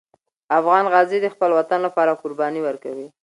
افغان غازي د خپل وطن لپاره قرباني ورکوي.